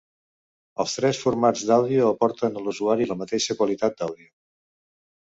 Els tres formats d'àudio aporten a l'usuari la mateixa qualitat d'àudio.